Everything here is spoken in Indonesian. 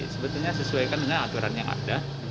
sebetulnya sesuaikan dengan aturan yang ada